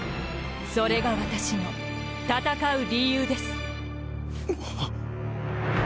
それが私の戦う理由です。